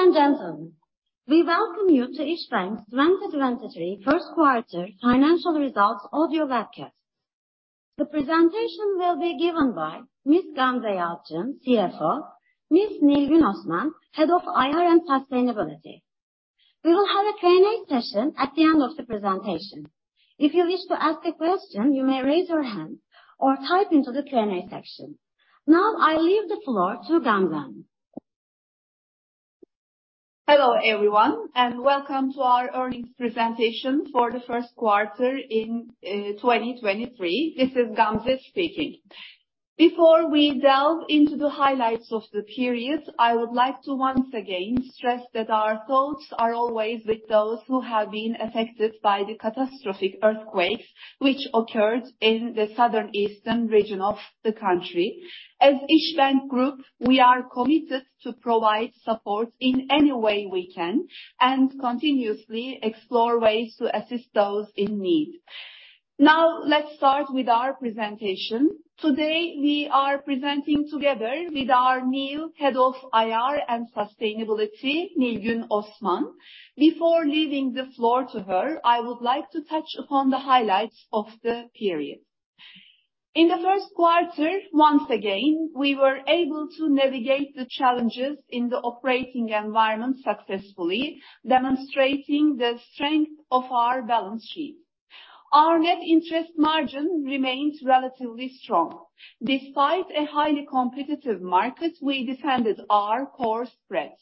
Ladies and gentlemen, we welcome you to İşbank's 2023 Q1 financial results audio webcast. The presentation will be given by Ms. Gamze Yalçın, CFO, Ms. Nilgün Osman, Head of IR and Sustainability. We will have a Q&A session at the end of the presentation. If you wish to ask a question, you may raise your hand or type into the Q&A section. I leave the floor to Gamze. Hello, everyone, welcome to our earnings presentation for the first quarter in 2023. This is Gamze speaking. Before we delve into the highlights of the period, I would like to once again stress that our thoughts are always with those who have been affected by the catastrophic earthquake which occurred in the southern eastern region of the country. As İşbank Group, we are committed to provide support in any way we can and continuously explore ways to assist those in need. Let's start with our presentation. Today, we are presenting together with our new head of IR and sustainability, Nilgün Osman. Before leaving the floor to her, I would like to touch upon the highlights of the period. In the first quarter, once again, we were able to navigate the challenges in the operating environment successfully, demonstrating the strength of our balance sheet. Our net interest margin remains relatively strong. Despite a highly competitive market, we defended our core spread.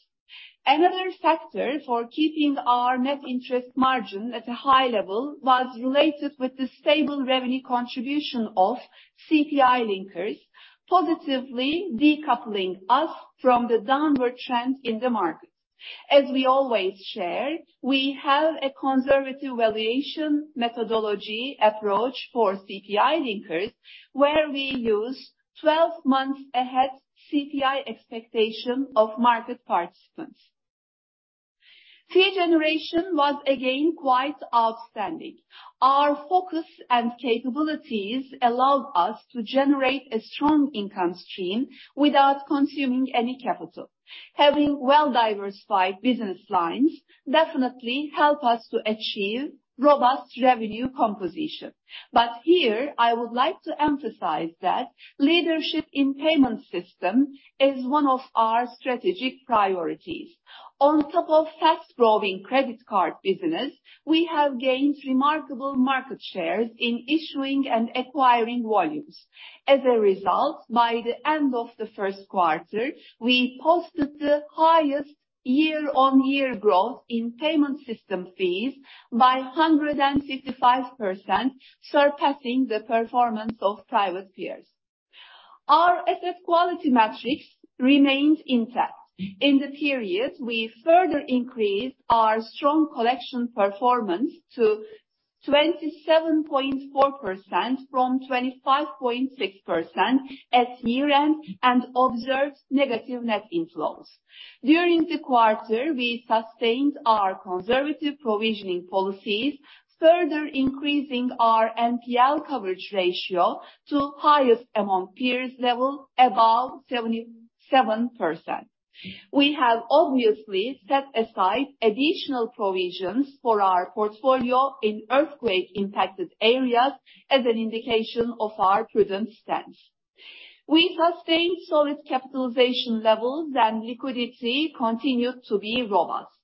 Another factor for keeping our net interest margin at a high level was related with the stable revenue contribution of CPI linkers, positively decoupling us from the downward trend in the market. As we always share, we have a conservative valuation methodology approach for CPI linkers, where we use 12 months ahead CPI expectation of market participants. Fee generation was again quite outstanding. Our focus and capabilities allow us to generate a strong income stream without consuming any capital. Having well-diversified business lines definitely help us to achieve robust revenue composition. Here I would like to emphasize that leadership in payment system is one of our strategic priorities. On top of fast-growing credit card business, we have gained remarkable market shares in issuing and acquiring volumes. As a result, by the end of the first quarter, we posted the highest year-on-year growth in payment system fees by 155%, surpassing the performance of private peers. Our asset quality metrics remains intact. In the period, we further increased our strong collection performance to 27.4% from 25.6% at year-end, and observed negative net inflows. During the quarter, we sustained our conservative provisioning policies, further increasing our NPL coverage ratio to highest among peers level above 77%. We have obviously set aside additional provisions for our portfolio in earthquake-impacted areas as an indication of our prudent stance. We sustained solid capitalization levels and liquidity continued to be robust.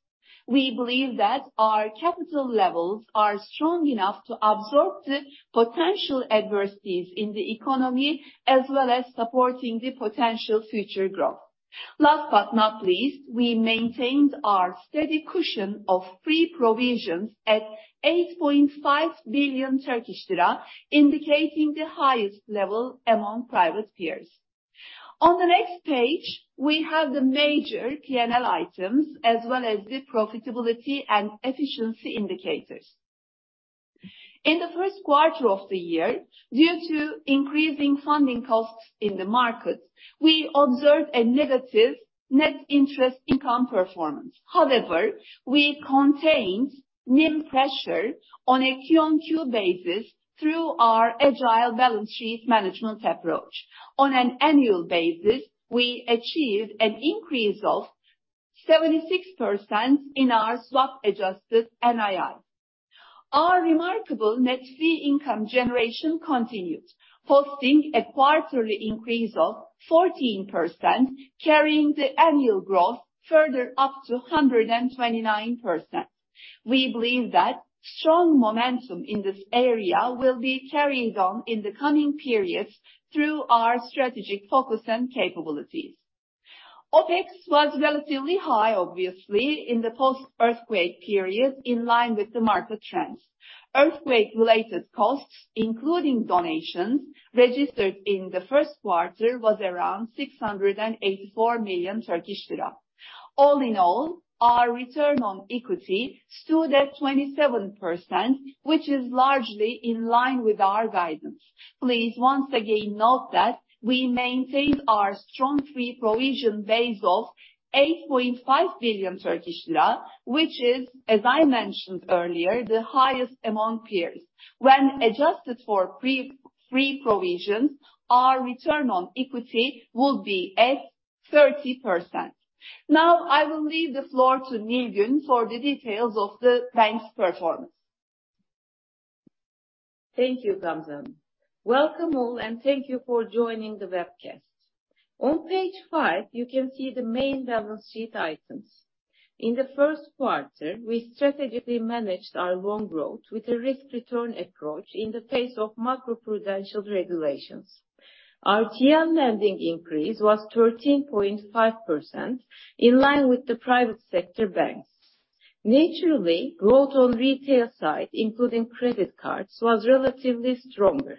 We believe that our capital levels are strong enough to absorb the potential adversities in the economy, as well as supporting the potential future growth. Last but not least, we maintained our steady cushion of free provisions at 8.5 billion Turkish lira, indicating the highest level among private peers. On the next page, we have the major P&L items, as well as the profitability and efficiency indicators. In the first quarter of the year, due to increasing funding costs in the market, we observed a negative net interest income performance. We contained NIM pressure on a Q on Q basis through our agile balance sheet management approach. On an annual basis, we achieved an increase of 76% in our swap-adjusted NII. Our remarkable net fee income generation continued, posting a quarterly increase of 14%, carrying the annual growth further up to 129%. We believe that strong momentum in this area will be carried on in the coming periods through our strategic focus and capabilities. OpEx was relatively high, obviously, in the post-earthquake period, in line with the market trends. Earthquake-related costs, including donations, registered in the first quarter, was around 684 million Turkish lira. All in all, our return on equity stood at 27%, which is largely in line with our guidance. Please once again note that we maintained our strong free provision base of 8.5 billion Turkish lira, which is, as I mentioned earlier, the highest among peers. When adjusted for pre-free provisions, our return on equity would be at 30%. I will leave the floor to Nilgün for the details of the bank's performance. Thank you, Gamze. Welcome all, and thank you for joining the webcast. On page 5, you can see the main balance sheet items. In the Q1, we strategically managed our loan growth with a risk-return approach in the face of macroprudential regulations. Our TL lending increase was 13.5%, in line with the private sector banks. Naturally, growth on retail side, including credit cards, was relatively stronger.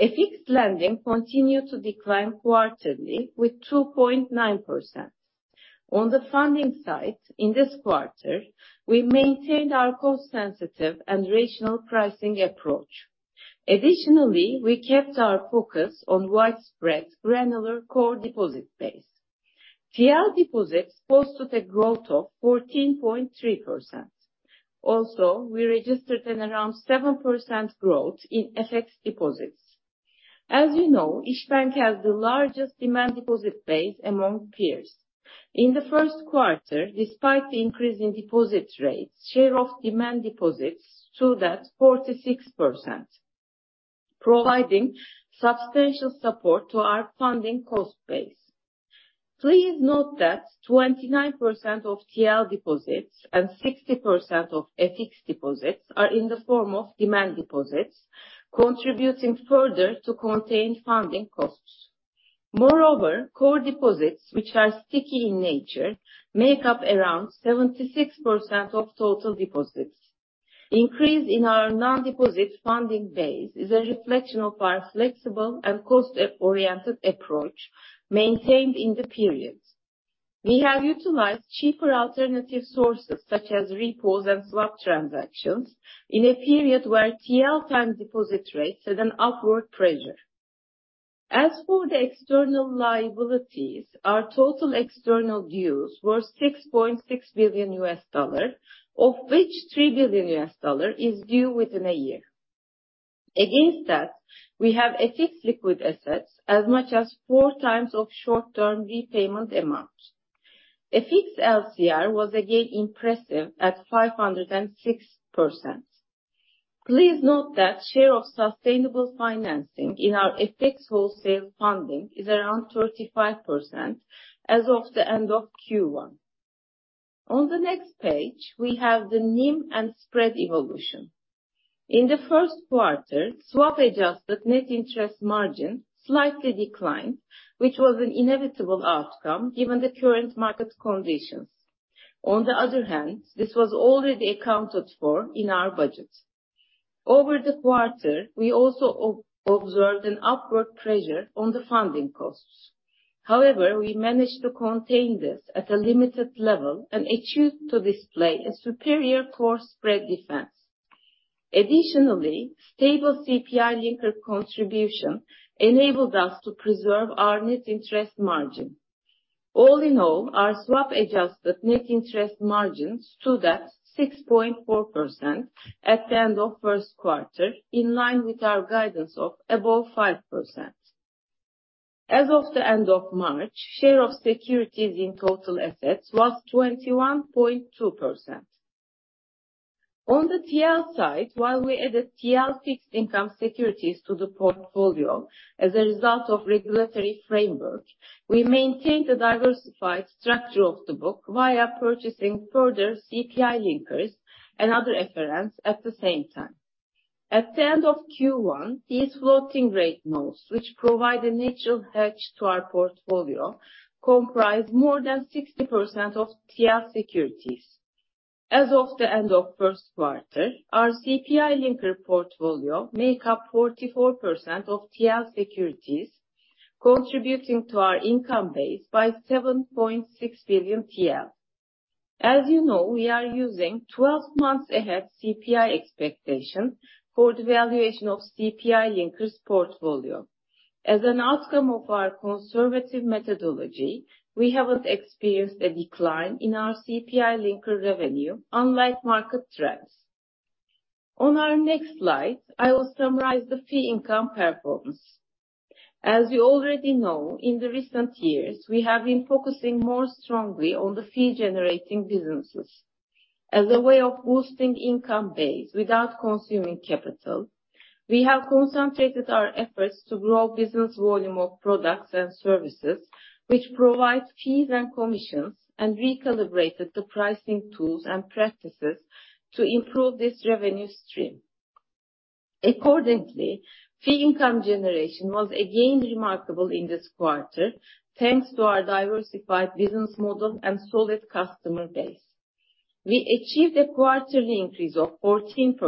FX lending continued to decline quarterly with 2.9%. On the funding side, in this quarter, we maintained our cost-sensitive and rational pricing approach. We kept our focus on widespread granular core deposit base. TL deposits posted a growth of 14.3%. We registered an around 7% growth in FX deposits. As you know, İşbank has the largest demand deposit base among peers. In the first quarter, despite the increase in deposit rates, share of demand deposits stood at 46%, providing substantial support to our funding cost base. Please note that 29% of TL deposits and 60% of FX deposits are in the form of demand deposits, contributing further to contained funding costs. Moreover, core deposits, which are sticky in nature, make up around 76% of total deposits. Increase in our non-deposit funding base is a reflection of our flexible and cost-oriented approach maintained in the period. We have utilized cheaper alternative sources, such as repos and swap transactions, in a period where TL time deposit rates had an upward pressure. As for the external liabilities, our total external dues were $6.6 billion, of which $3 billion is due within a year. Against that, we have FX liquid assets as much as 4 times of short-term repayment amounts. FX LCR was again impressive at 506%. Please note that share of sustainable financing in our FX wholesale funding is around 35% as of the end of Q1. On the next page, we have the NIM and spread evolution. In the first quarter, swap-adjusted net interest margin slightly declined, which was an inevitable outcome given the current market conditions. This was already accounted for in our budget. Over the quarter, we also observed an upward pressure on the funding costs. We managed to contain this at a limited level and achieved to display a superior core spread defense. Additionally, stable CPI-linked contribution enabled us to preserve our net interest margin. Our swap-adjusted net interest margin stood at 6.4% at the end of first quarter, in line with our guidance of above 5%. As of the end of March, share of securities in total assets was 21.2%. On the TL side, while we added TL fixed income securities to the portfolio as a result of regulatory framework, we maintained a diversified structure of the book via purchasing further CPI linkers and other FRNs at the same time. At the end of Q1, these floating rate notes, which provide a natural hedge to our portfolio, comprised more than 60% of TL securities. As of the end of first quarter, our CPI linker portfolio make up 44% of TL securities, contributing to our income base by TL 7.6 billion. As you know, we are using 12 months ahead CPI expectation for the valuation of CPI linkers portfolio. As an outcome of our conservative methodology, we haven't experienced a decline in our CPI linker revenue, unlike market trends. On our next slide, I will summarize the fee income performance. As you already know, in the recent years, we have been focusing more strongly on the fee-generating businesses. As a way of boosting income base without consuming capital, we have concentrated our efforts to grow business volume of products and services, which provides fees and commissions, and recalibrated the pricing tools and practices to improve this revenue stream. Accordingly, fee income generation was again remarkable in this quarter, thanks to our diversified business model and solid customer base. We achieved a quarterly increase of 14%,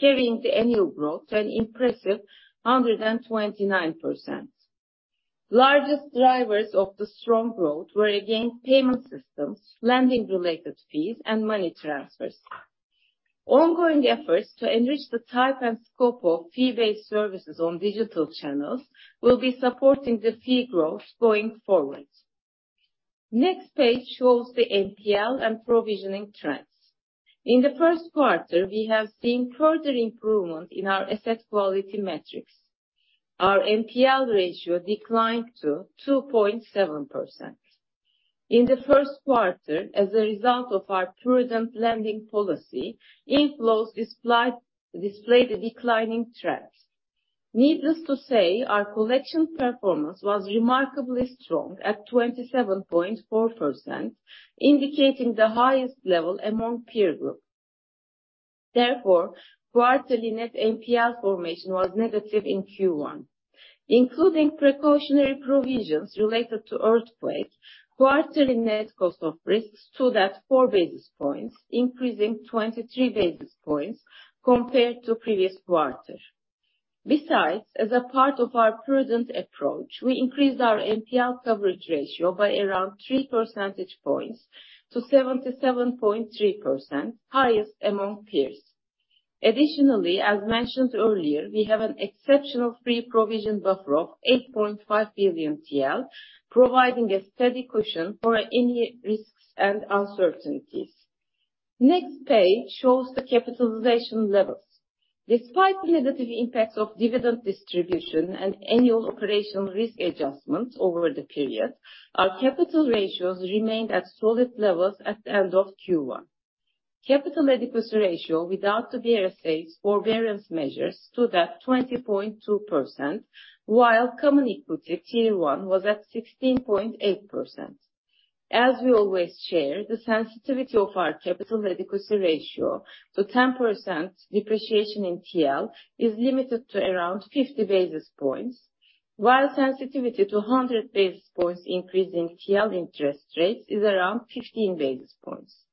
carrying the annual growth to an impressive 129%. Largest drivers of the strong growth were again payment systems, lending-related fees, and money transfers. Ongoing efforts to enrich the type and scope of fee-based services on digital channels will be supporting the fee growth going forward. Next page shows the NPL and provisioning trends. In the first quarter, we have seen further improvement in our asset quality metrics. Our NPL ratio declined to 2.7%. In the first quarter, as a result of our prudent lending policy, inflows displayed a declining trend. Needless to say, our collection performance was remarkably strong at 27.4%, indicating the highest level among peer group. Therefore, quarterly net NPL formation was negative in Q1. Including precautionary provisions related to earthquake, quarterly net cost of risk stood at 4 basis points, increasing 23 basis points compared to previous quarter. As a part of our prudent approach, we increased our NPL coverage ratio by around three percentage points to 77.3%, highest among peers. As mentioned earlier, we have an exceptional free provision buffer of 8.5 billion TL, providing a steady cushion for any risks and uncertainties. Next page shows the capitalization levels. Despite negative impacts of dividend distribution and annual operational risk adjustments over the period, our capital ratios remained at solid levels at the end of Q1. Capital adequacy ratio without the BRSA's forbearance measures stood at 20.2%, while Common Equity Tier 1 was at 16.8%. As we always share, the sensitivity of our capital adequacy ratio to 10% depreciation in TL is limited to around 50 basis points, while sensitivity to 100 basis points increase in TL interest rates is around 15 basis points.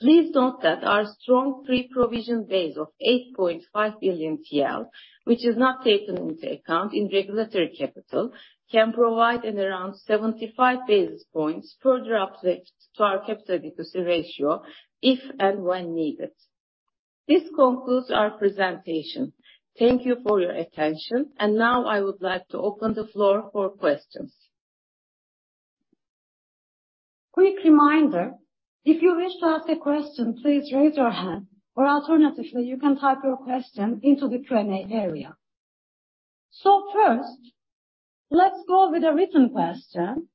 Please note that our strong pre-provision base of 8.5 billion TL, which is not taken into account in regulatory capital, can provide an around 75 basis points further uplift to our capital adequacy ratio if and when needed. This concludes our presentation. Thank you for your attention, and now I would like to open the floor for questions. Quick reminder, if you wish to ask a question please raise your hand or alternatively you can type your question into the Q&A area. First let's go with a written question.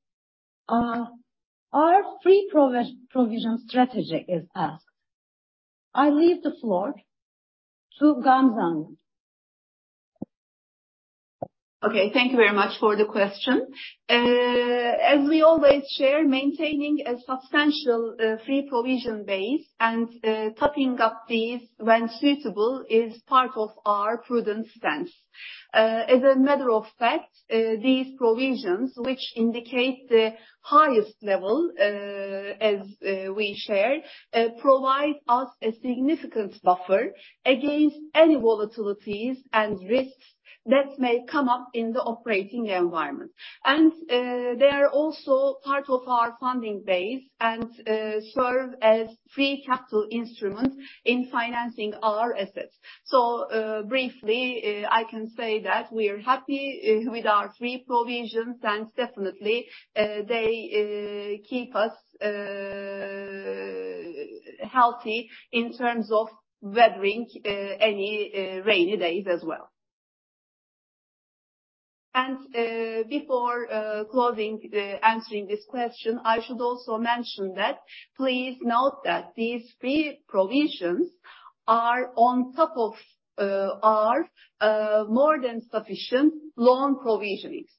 Our free provision strategy is asked. I leave the floor to Gamze Yalçın. Okay, thank you very much for the question. As we always share, maintaining a substantial free provision base and topping up these when suitable is part of our prudent stance. As a matter of fact, these provisions which indicate the highest level, as we share, provide us a significant buffer against any volatilities and risks that may come up in the operating environment. They are also part of our funding base and serve as free capital instruments in financing our assets. Briefly, I can say that we are happy with our free provisions and definitely, they keep us healthy in terms of weathering any rainy days as well. Before answering this question, I should also mention that please note that these free provisions are on top of our more than sufficient loan provisionings.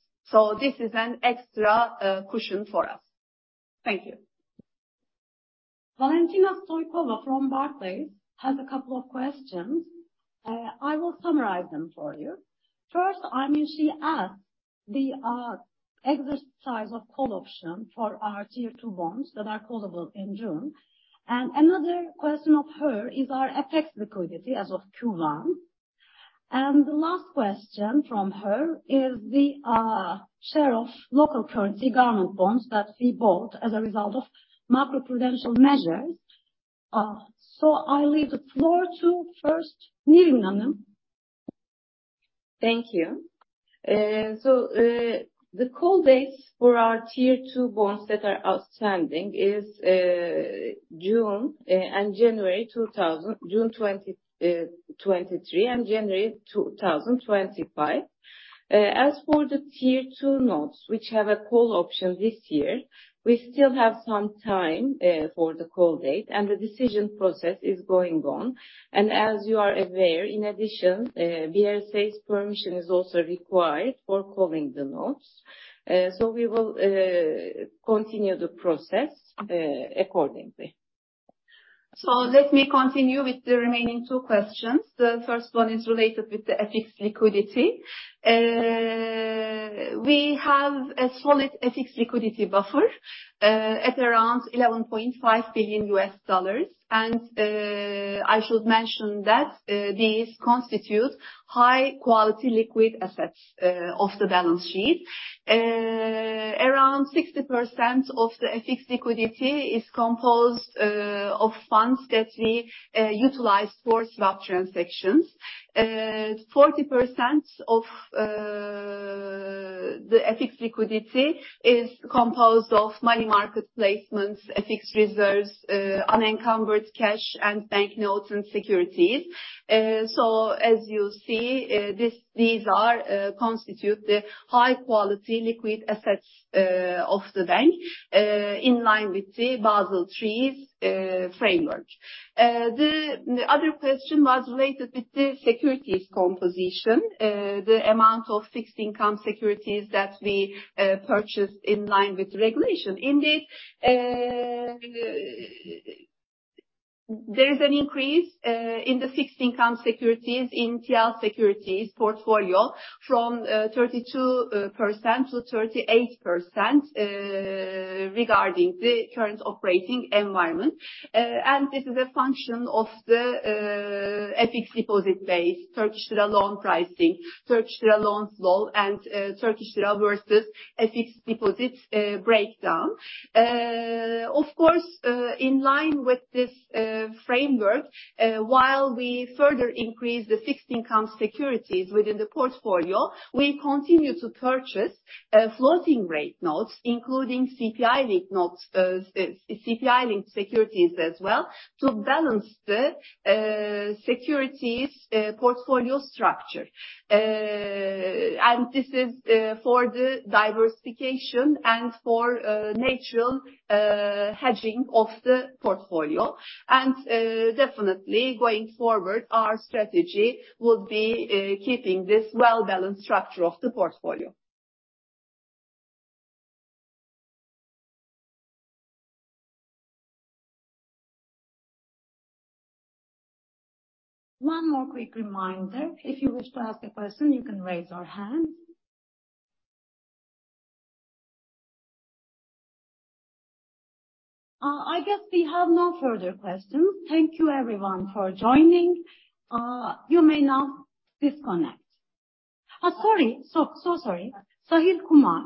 This is an extra cushion for us. Thank you. Valentina Stoykova from Barclays has a couple of questions. I will summarize them for you. First, I mean, she asked the exercise of call option for our Tier 2 bonds that are callable in June. Another question of her is our FX liquidity as of Q1. The last question from her is the share of local currency government bonds that we bought as a result of macroprudential measures. I leave the floor to first Nilgün. Thank you. The call dates for our Tier 2 bonds that are outstanding is June 20, 2023 and January 2025. As for the Tier 2 notes which have a call option this year, we still have some time for the call date, and the decision process is going on. As you are aware, in addition, BRSA's permission is also required for calling the notes. We will continue the process accordingly. Let me continue with the remaining two questions. The first one is related with the FX liquidity. We have a solid FX liquidity buffer at around $11.5 billion. I should mention that these constitute high quality liquid assets off the balance sheet. Around 60% of the FX liquidity is composed of funds that we utilize for swap transactions. 40% of the FX liquidity is composed of money market placements, FX reserves, unencumbered cash and bank notes and securities. As you see, these are constitute the high quality liquid assets of the bank in line with the Basel III's framework. The other question was related with the securities composition, the amount of fixed income securities that we purchased in line with regulation. Indeed, there is an increase in the fixed income securities in TL Securities portfolio from 32% to 38% regarding the current operating environment. This is a function of the FX deposit base, Turkish lira loan pricing, Turkish lira loans, and Turkish lira versus FX deposits breakdown. Of course, in line with this framework, while we further increase the fixed income securities within the portfolio, we continue to purchase floating rate notes, including CPI linked notes, CPI linked securities as well, to balance the securities portfolio structure. This is for the diversification and for natural hedging of the portfolio. Definitely going forward, our strategy will be keeping this well-balanced structure of the portfolio. One more quick reminder, if you wish to ask a question, you can raise your hand. I guess we have no further questions. Thank you everyone for joining. You may now disconnect. Sorry, so sorry. Sahil Kumar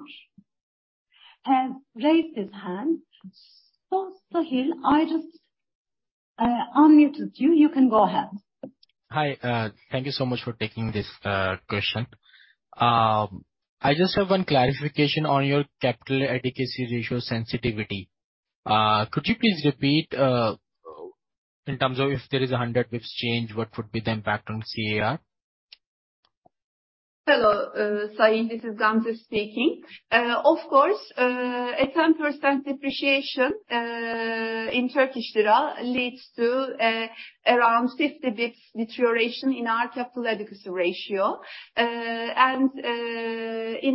has raised his hand. Sahil, I just unmuted you. You can go ahead. Hi. Thank you so much for taking this question. I just have one clarification on your capital adequacy ratio sensitivity. Could you please repeat in terms of if there is a 100 basis points change, what would be the impact on CAR? Hello, Sahil, this is Gamze speaking. Of course, a 10% depreciation in Turkish lira leads to around 50 basis points deterioration in our capital adequacy ratio. In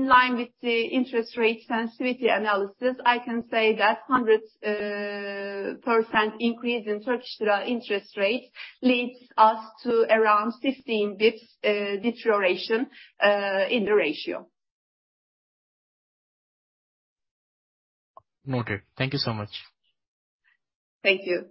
line with the interest rate sensitivity analysis, I can say that 100% increase in Turkish lira interest rate leads us to around 15 basis points deterioration in the ratio. Noted. Thank you so much. Thank you.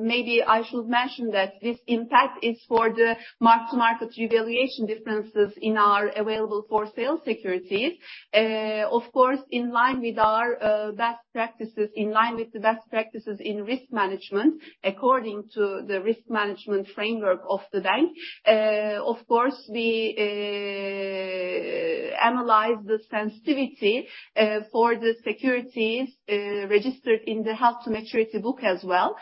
Maybe I should mention that this impact is for the mark-to-market revaluation differences in our available for sale securities. Of course, in line with our best practices, in line with the best practices in risk management, according to the risk management framework of the bank, of course, we analyze the sensitivity for the securities registered in the held-to-maturity book as well.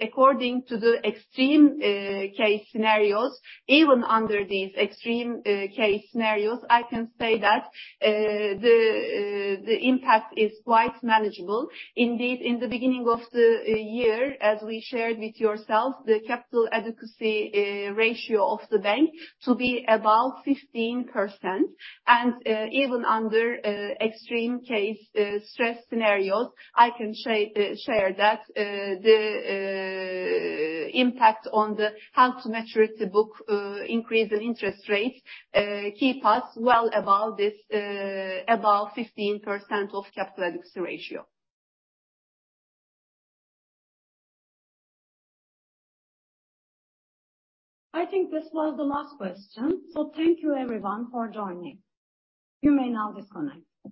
According to the extreme case scenarios, even under these extreme case scenarios, I can say that the impact is quite manageable. Indeed, in the beginning of the year, as we shared with yourself, the capital adequacy ratio of the bank to be above 15%. Even under extreme case stress scenarios, I can share that the impact on the held-to-maturity book, increase in interest rate, keep us well above this above 15% of capital adequacy ratio. I think this was the last question. Thank you everyone for joining. You may now disconnect.